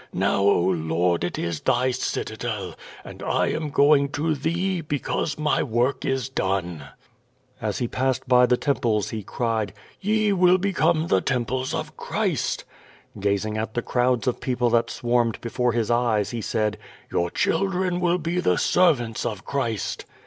Now, 0 Lord, it is thy citadel, and I am going to Thee, because my work is done.^^ As he passed by the temples he cried: "Ye will become the temples of Christ!" Gazing at the crowds of people that swarmed before his eyes, he said: "Your children will be the servants of Christ.''